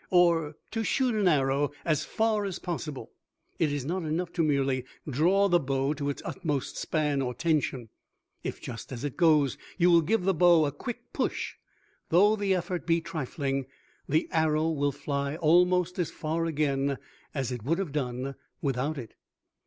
Or, to shoot an arrow as far as possible, it is not enough to merely draw the bow to its utmost span or tension. If just as it goes you will give the bow a quick push, though the effort be trifling, the arrow will fly almost as far again as it would have done without it.